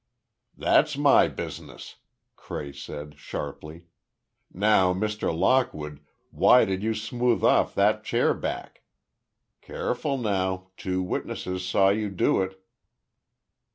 "That's my business," Cray said, sharply: "now, Mr. Lockwood, why did you smooth off that chair back? Careful, now, two witnesses saw you do it."